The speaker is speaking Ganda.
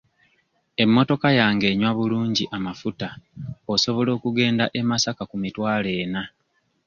Emmotoka yange enywa bulungi amafuta osobola okugenda e Masaka ku mitwalo ena.